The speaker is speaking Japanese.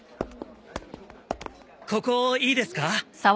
ここいいですか？